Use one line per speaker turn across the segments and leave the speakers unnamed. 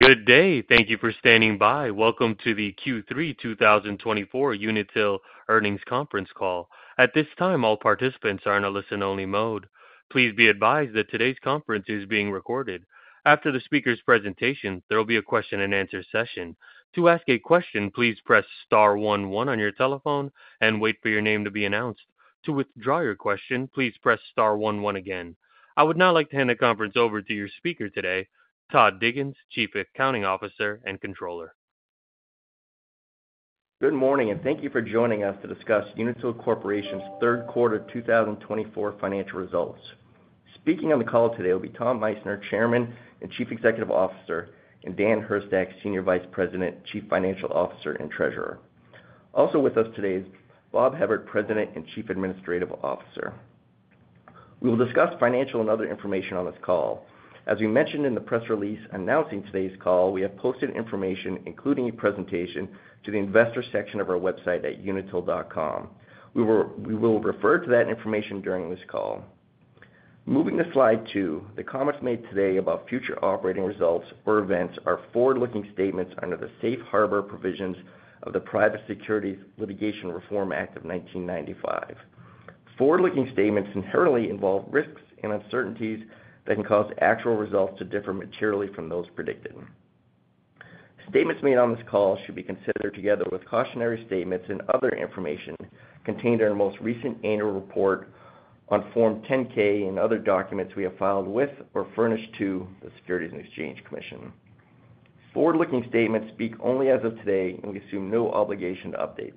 Good day, thank you for standing by. Welcome to the Q3 2024 Unitil earnings conference call. At this time, all participants are in a listen-only mode. Please be advised that today's conference is being recorded. After the speaker's presentation, there will be a question-and-answer session. To ask a question, please press star 11 on your telephone and wait for your name to be announced. To withdraw your question, please press star 11 again. I would now like to hand the conference over to your speaker today, Todd Diggins, Chief Accounting Officer and Controller.
Good morning, and thank you for joining us to discuss Unitil Corporation's third quarter 2024 financial results. Speaking on the call today will be Tom Meissner, Chairman and Chief Executive Officer, and Dan Hurstak, Senior Vice President, Chief Financial Officer and Treasurer. Also with us today is Rob Hevert, President and Chief Administrative Officer. We will discuss financial and other information on this call. As we mentioned in the press release announcing today's call, we have posted information, including a presentation, to the investor section of our website at Unitil.com. We will refer to that information during this call. Moving to slide two, the comments made today about future operating results or events are forward-looking statements under the safe harbor provisions of the Private Securities Litigation Reform Act of 1995. Forward-looking statements inherently involve risks and uncertainties that can cause actual results to differ materially from those predicted. Statements made on this call should be considered together with cautionary statements and other information contained in our most recent annual report on Form 10-K and other documents we have filed with or furnished to the Securities and Exchange Commission. Forward-looking statements speak only as of today, and we assume no obligation to update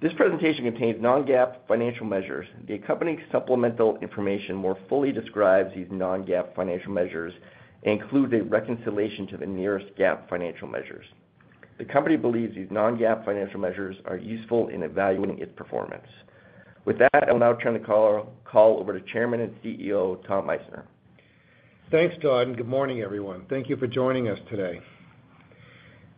them. This presentation contains non-GAAP financial measures. The accompanying supplemental information more fully describes these non-GAAP financial measures and includes a reconciliation to the nearest GAAP financial measures. The company believes these non-GAAP financial measures are useful in evaluating its performance. With that, I will now turn the call over to Chairman and CEO Tom Meissner.
Thanks, Todd. And good morning, everyone. Thank you for joining us today.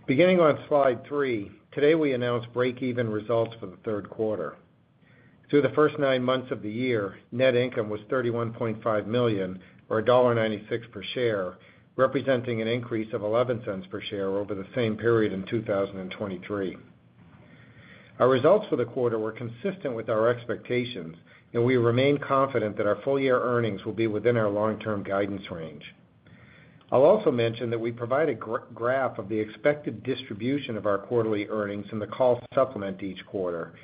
Beginning on slide three, today we announced break-even results for the third quarter. Through the first nine months of the year, net income was $31.5 million, or $1.96 per share, representing an increase of $0.11 per share over the same period in 2023. Our results for the quarter were consistent with our expectations, and we remain confident that our full-year earnings will be within our long-term guidance range. I'll also mention that we provide a graph of the expected distribution of our quarterly earnings in the call supplement each quarter,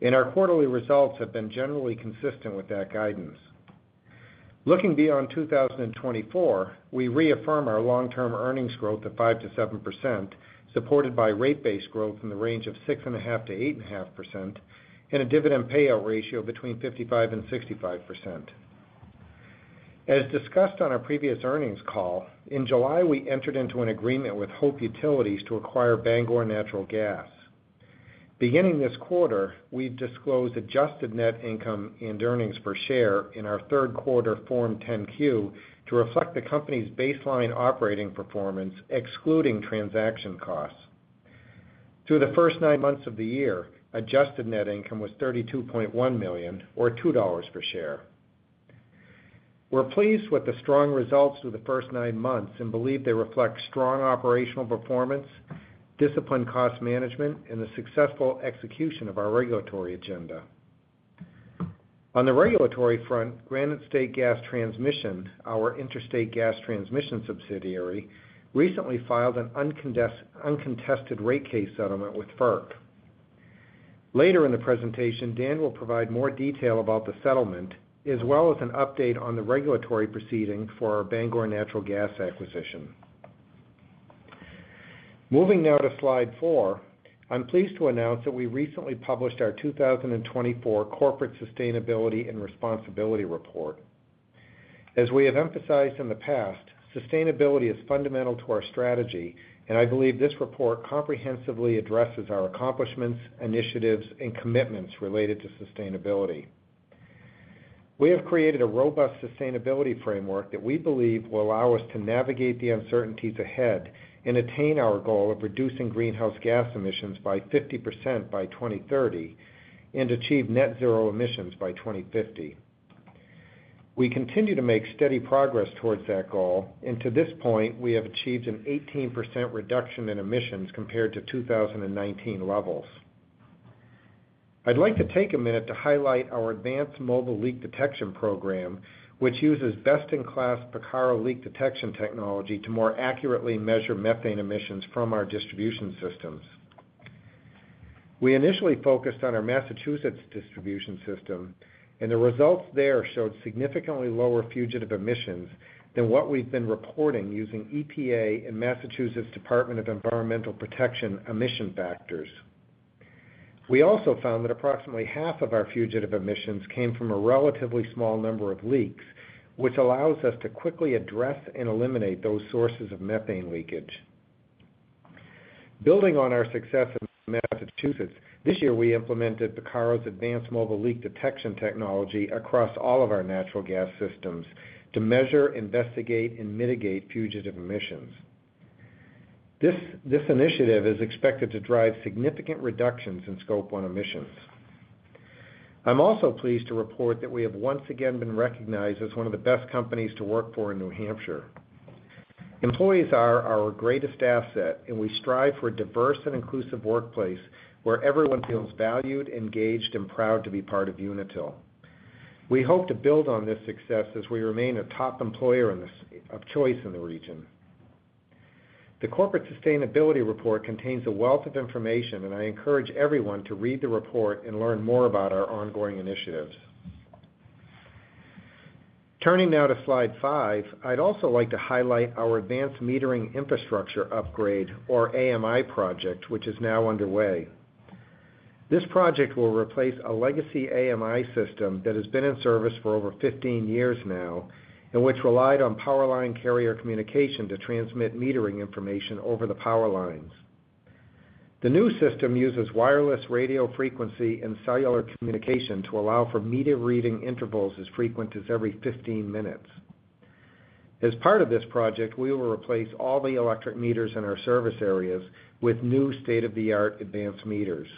and our quarterly results have been generally consistent with that guidance. Looking beyond 2024, we reaffirm our long-term earnings growth of 5%-7%, supported by rate base growth in the range of 6.5%-8.5%, and a dividend payout ratio between 55% and 65%. As discussed on our previous earnings call, in July, we entered into an agreement with Hope Utilities to acquire Bangor Natural Gas. Beginning this quarter, we've disclosed adjusted net income and earnings per share in our third quarter Form 10-Q to reflect the company's baseline operating performance, excluding transaction costs. Through the first nine months of the year, adjusted net income was $32.1 million, or $2 per share. We're pleased with the strong results through the first nine months and believe they reflect strong operational performance, disciplined cost management, and the successful execution of our regulatory agenda. On the regulatory front, GRANITE STATE GAS TRANSMISSION, our interstate gas transmission subsidiary, recently filed an uncontested rate case settlement with FERC. Later in the presentation, Dan will provide more detail about the settlement, as well as an update on the regulatory proceedings for our Bangor Natural Gas acquisition. Moving now to slide four, I'm pleased to announce that we recently published our 2024 Corporate Sustainability and Responsibility Report. As we have emphasized in the past, sustainability is fundamental to our strategy, and I believe this report comprehensively addresses our accomplishments, initiatives, and commitments related to sustainability. We have created a robust sustainability framework that we believe will allow us to navigate the uncertainties ahead and attain our goal of reducing greenhouse gas emissions by 50% by 2030 and achieve net zero emissions by 2050. We continue to make steady progress towards that goal, and to this point, we have achieved an 18% reduction in emissions compared to 2019 levels. I'd like to take a minute to highlight our advanced mobile leak detection program, which uses best-in-class Picarro leak detection technology to more accurately measure methane emissions from our distribution systems. We initially focused on our Massachusetts distribution system, and the results there showed significantly lower fugitive emissions than what we've been reporting using EPA and Massachusetts Department of Environmental Protection emission factors. We also found that approximately half of our fugitive emissions came from a relatively small number of leaks, which allows us to quickly address and eliminate those sources of methane leakage. Building on our success in Massachusetts, this year we implemented Picarro's advanced mobile leak detection technology across all of our natural gas systems to measure, investigate, and mitigate fugitive emissions. This initiative is expected to drive significant reductions in Scope 1 emissions. I'm also pleased to report that we have once again been recognized as one of the best companies to work for in New Hampshire. Employees are our greatest asset, and we strive for a diverse and inclusive workplace where everyone feels valued, engaged, and proud to be part of Unitil. We hope to build on this success as we remain a top employer of choice in the region. The Corporate Sustainability Report contains a wealth of information, and I encourage everyone to read the report and learn more about our ongoing initiatives. Turning now to slide five, I'd also like to highlight our advanced metering infrastructure upgrade, or AMI project, which is now underway. This project will replace a legacy AMI system that has been in service for over 15 years now and which relied on powerline carrier communication to transmit metering information over the powerlines. The new system uses wireless radio frequency and cellular communication to allow for meter reading intervals as frequent as every 15 minutes. As part of this project, we will replace all the electric meters in our service areas with new state-of-the-art advanced meters.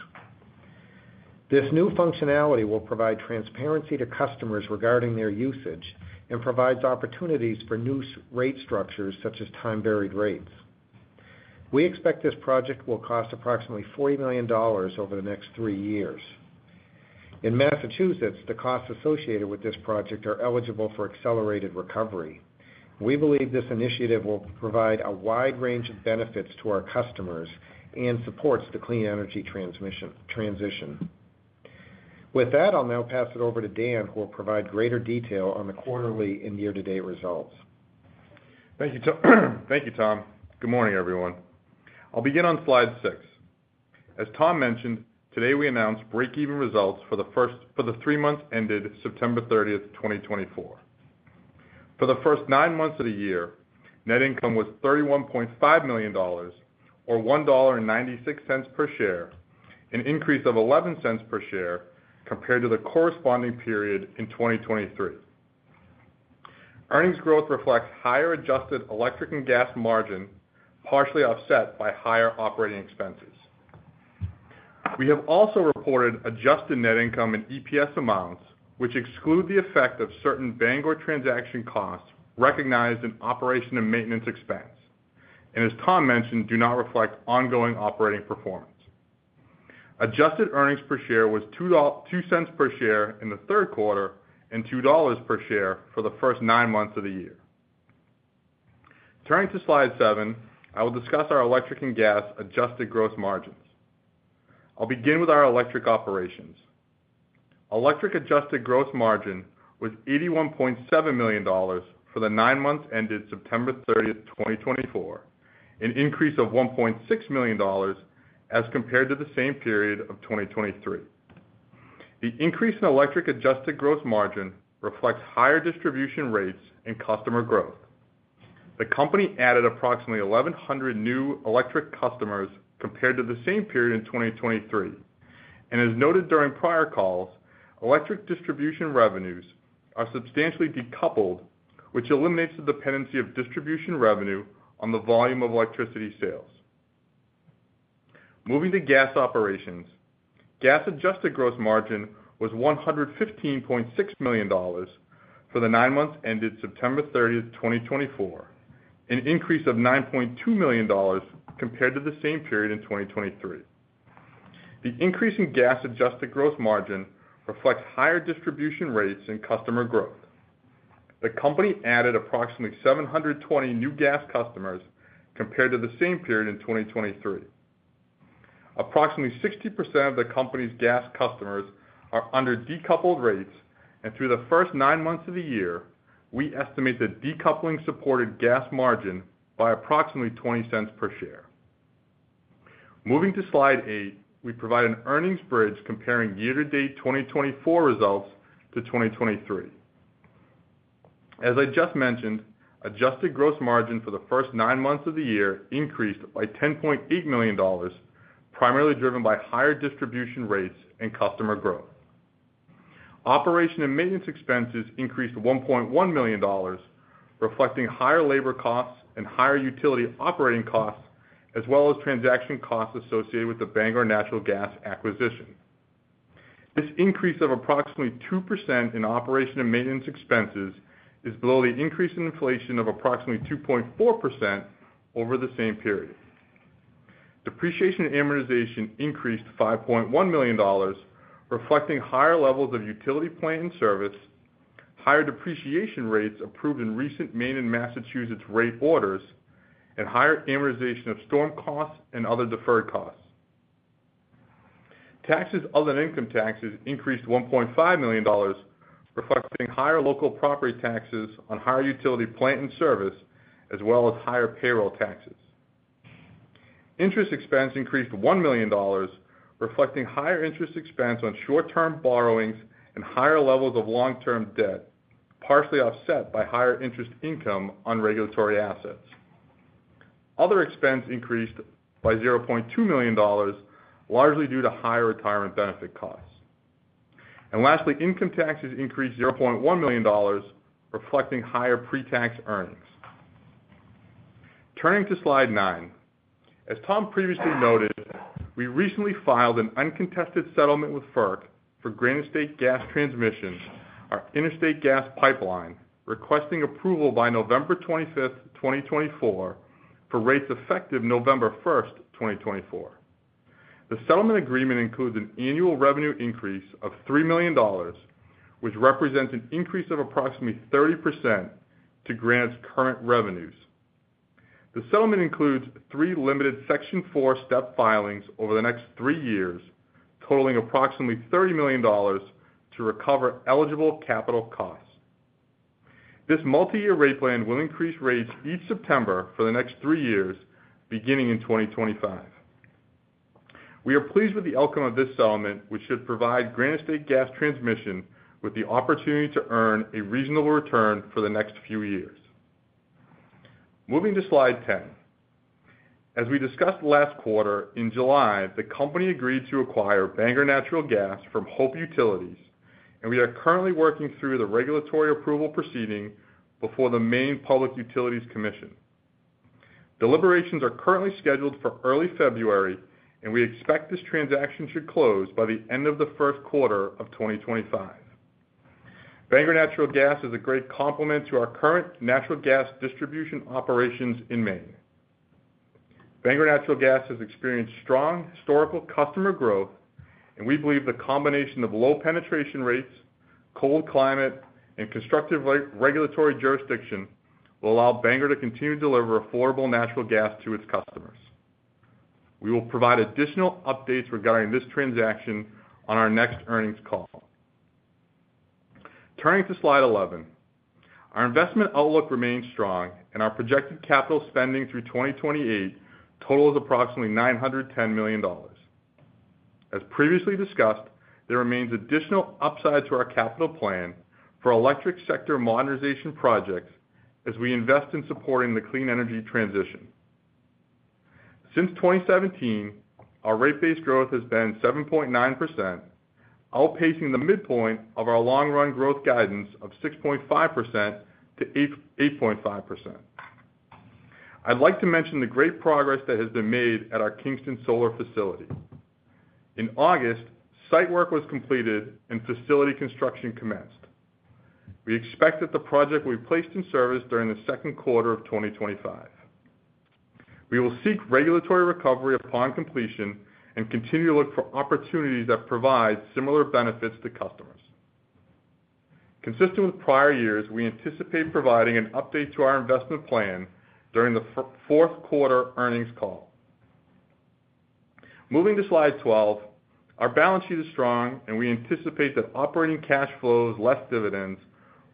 This new functionality will provide transparency to customers regarding their usage and provides opportunities for new rate structures such as time-varied rates. We expect this project will cost approximately $40 million over the next three years. In Massachusetts, the costs associated with this project are eligible for accelerated recovery. We believe this initiative will provide a wide range of benefits to our customers and supports the clean energy transition. With that, I'll now pass it over to Dan, who will provide greater detail on the quarterly and year-to-date results.
Thank you, Tom. Good morning, everyone. I'll begin on slide six. As Tom mentioned, today we announced break-even results for the three months ended September 30th, 2024. For the first nine months of the year, net income was $31.5 million, or $1.96 per share, an increase of $0.11 per share compared to the corresponding period in 2023. Earnings growth reflects higher adjusted electric and gas margin, partially offset by higher operating expenses. We have also reported adjusted net income in EPS amounts, which exclude the effect of certain Bangor transaction costs recognized in operation and maintenance expense, and as Tom mentioned, do not reflect ongoing operating performance. Adjusted earnings per share was $0.02 per share in the third quarter and $2 per share for the first nine months of the year. Turning to slide seven, I will discuss our electric and gas adjusted gross margins. I'll begin with our electric operations. Electric adjusted gross margin was $81.7 million for the nine months ended September 30th, 2024, an increase of $1.6 million as compared to the same period of 2023. The increase in electric adjusted gross margin reflects higher distribution rates and customer growth. The company added approximately 1,100 new electric customers compared to the same period in 2023. And as noted during prior calls, electric distribution revenues are substantially decoupled, which eliminates the dependency of distribution revenue on the volume of electricity sales. Moving to gas operations, gas adjusted gross margin was $115.6 million for the nine months ended September 30th, 2024, an increase of $9.2 million compared to the same period in 2023. The increase in gas adjusted gross margin reflects higher distribution rates and customer growth. The company added approximately 720 new gas customers compared to the same period in 2023. Approximately 60% of the company's gas customers are under decoupled rates, and through the first nine months of the year, we estimate the decoupling supported gas margin by approximately $0.20 per share. Moving to slide eight, we provide an earnings bridge comparing year-to-date 2024 results to 2023. As I just mentioned, adjusted gross margin for the first nine months of the year increased by $10.8 million, primarily driven by higher distribution rates and customer growth. Operation and maintenance expenses increased $1.1 million, reflecting higher labor costs and higher utility operating costs, as well as transaction costs associated with the Bangor Natural Gas acquisition. This increase of approximately 2% in operation and maintenance expenses is below the increase in inflation of approximately 2.4% over the same period. Depreciation and amortization increased $5.1 million, reflecting higher levels of utility plant in service, higher depreciation rates approved in recent Maine and Massachusetts rate orders, and higher amortization of storm costs and other deferred costs. Taxes other than income taxes increased $1.5 million, reflecting higher local property taxes on higher utility plant in service, as well as higher payroll taxes. Interest expense increased $1 million, reflecting higher interest expense on short-term borrowings and higher levels of long-term debt, partially offset by higher interest income on regulatory assets. Other expense increased by $0.2 million, largely due to higher retirement benefit costs. And lastly, income taxes increased $0.1 million, reflecting higher pre-tax earnings. Turning to slide nine, as Tom previously noted, we recently filed an uncontested settlement with FERC for GRANITE STATE GAS TRANSMISSION, our interstate gas pipeline, requesting approval by November 25th, 2024, for rates effective November 1st, 2024. The settlement agreement includes an annual revenue increase of $3 million, which represents an increase of approximately 30% to GRANITE's current revenues. The settlement includes three limited Section 4 step filings over the next three years, totaling approximately $30 million to recover eligible capital costs. This multi-year rate plan will increase rates each September for the next three years, beginning in 2025. We are pleased with the outcome of this settlement, which should provide GRANITE STATE GAS TRANSMISSION with the opportunity to earn a reasonable return for the next few years. Moving to slide 10. As we discussed last quarter, in July, the company agreed to acquire Bangor Natural Gas from Hope Utilities, and we are currently working through the regulatory approval proceeding before the Maine Public Utilities Commission. Deliberations are currently scheduled for early February, and we expect this transaction should close by the end of the first quarter of 2025. Bangor Natural Gas is a great complement to our current natural gas distribution operations in Maine. Bangor Natural Gas has experienced strong historical customer growth, and we believe the combination of low penetration rates, cold climate, and constructive regulatory jurisdiction will allow Bangor to continue to deliver affordable natural gas to its customers. We will provide additional updates regarding this transaction on our next earnings call. Turning to Slide 11, our investment outlook remains strong, and our projected capital spending through 2028 totals approximately $910 million. As previously discussed, there remains additional upside to our capital plan for electric sector modernization projects as we invest in supporting the clean energy transition. Since 2017, our rate base growth has been 7.9%, outpacing the midpoint of our long-run growth guidance of 6.5%-8.5%. I'd like to mention the great progress that has been made at our Kingston solar facility. In August, site work was completed and facility construction commenced. We expect that the project will be placed in service during the second quarter of 2025. We will seek regulatory recovery upon completion and continue to look for opportunities that provide similar benefits to customers. Consistent with prior years, we anticipate providing an update to our investment plan during the fourth quarter earnings call. Moving to slide 12, our balance sheet is strong, and we anticipate that operating cash flows, less dividends,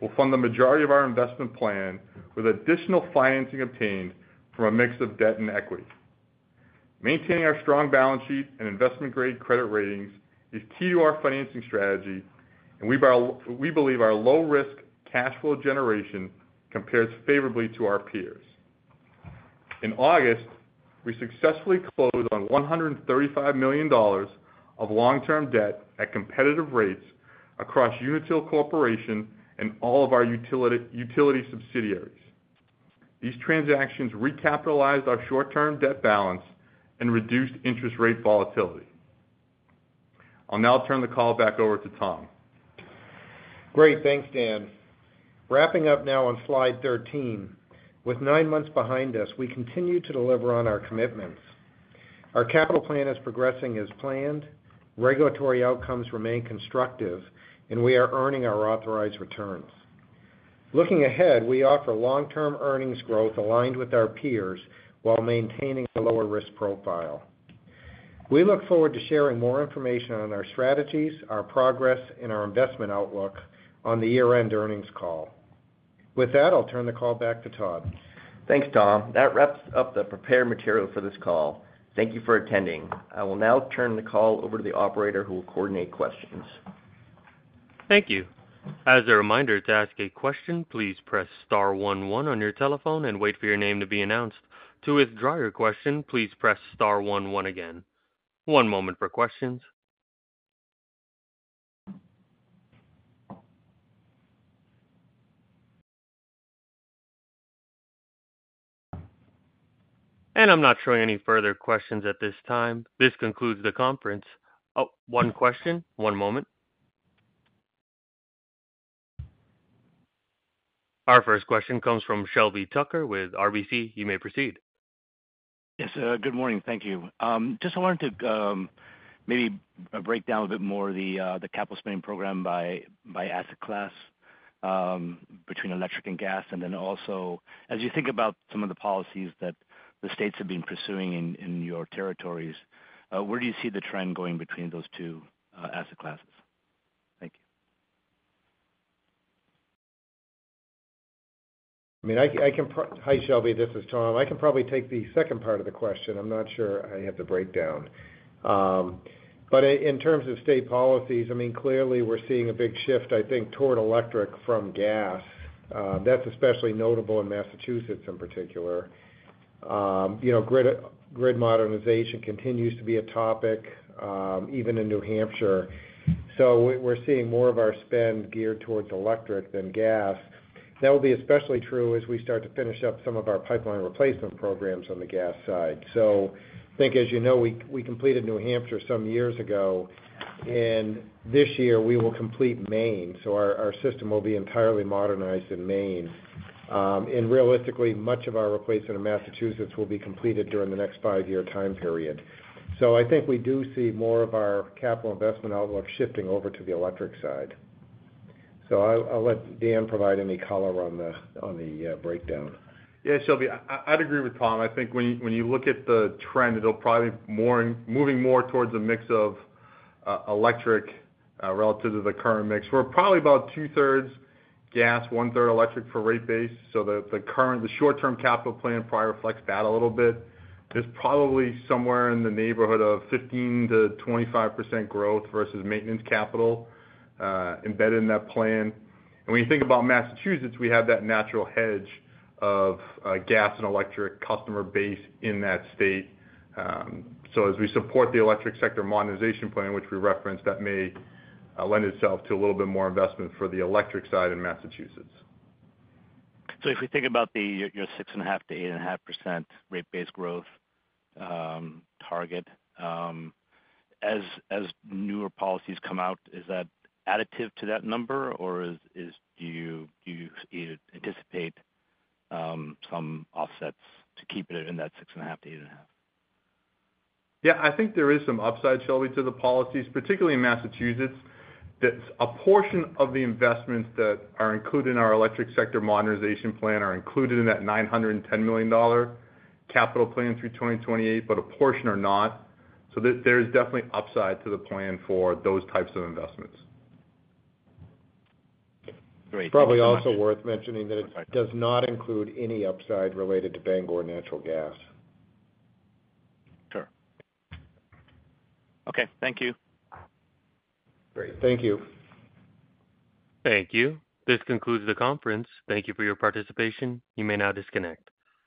will fund the majority of our investment plan with additional financing obtained from a mix of debt and equity. Maintaining our strong balance sheet and investment-grade credit ratings is key to our financing strategy, and we believe our low-risk cash flow generation compares favorably to our peers. In August, we successfully closed on $135 million of long-term debt at competitive rates across Unitil Corporation and all of our utility subsidiaries. These transactions recapitalized our short-term debt balance and reduced interest rate volatility. I'll now turn the call back over to Tom.
Great. Thanks, Dan. Wrapping up now on slide 13. With nine months behind us, we continue to deliver on our commitments. Our capital plan is progressing as planned. Regulatory outcomes remain constructive, and we are earning our authorized returns. Looking ahead, we offer long-term earnings growth aligned with our peers while maintaining a lower risk profile. We look forward to sharing more information on our strategies, our progress, and our investment outlook on the year-end earnings call. With that, I'll turn the call back to Todd.
Thanks, Tom. That wraps up the prepared material for this call. Thank you for attending. I will now turn the call over to the operator who will coordinate questions.
Thank you. As a reminder, to ask a question, please press star one one on your telephone and wait for your name to be announced. To withdraw your question, please press star one one again. One moment for questions, and I'm not showing any further questions at this time. This concludes the conference. Oh, one question. One moment. Our first question comes from Shelby Tucker with RBC. You may proceed.
Yes, good morning. Thank you. Just wanted to maybe break down a bit more the capital spending program by asset class between electric and gas. And then also, as you think about some of the policies that the states have been pursuing in your territories, where do you see the trend going between those two asset classes? Thank you.
I mean, I can, hi, Shelby. This is Tom. I can probably take the second part of the question. I'm not sure I have the breakdown. But in terms of state policies, I mean, clearly we're seeing a big shift, I think, toward electric from gas. That's especially notable in Massachusetts in particular. Grid modernization continues to be a topic, even in New Hampshire. So we're seeing more of our spend geared towards electric than gas. That will be especially true as we start to finish up some of our pipeline replacement programs on the gas side. So I think, as you know, we completed New Hampshire some years ago, and this year we will complete Maine. So our system will be entirely modernized in Maine, and realistically, much of our replacement in Massachusetts will be completed during the next five-year time period. So I think we do see more of our capital investment outlook shifting over to the electric side. So I'll let Dan provide any color on the breakdown.
Yeah, Shelby, I'd agree with Tom. I think when you look at the trend, it'll probably be moving more towards a mix of electric relative to the current mix. We're probably about two-thirds gas, one-third electric for rate base. So the short-term capital plan probably reflects that a little bit. It's probably somewhere in the neighborhood of 15%-25% growth versus maintenance capital embedded in that plan. And when you think about Massachusetts, we have that natural hedge of gas and electric customer base in that state. So as we support the electric sector modernization plan, which we referenced, that may lend itself to a little bit more investment for the electric side in Massachusetts.
So if we think about your 6.5%-8.5% rate-based growth target, as newer policies come out, is that additive to that number, or do you anticipate some offsets to keep it in that 6.5%-8.5%?
Yeah, I think there is some upside, Shelby, to the policies, particularly in Massachusetts. A portion of the investments that are included in our electric sector modernization plan are included in that $910 million capital plan through 2028, but a portion are not. So there's definitely upside to the plan for those types of investments.
Great.
Probably also worth mentioning that it does not include any upside related to Bangor Natural Gas.
Sure. Okay. Thank you.
Great. Thank you.
Thank you. This concludes the conference. Thank you for your participation. You may now disconnect.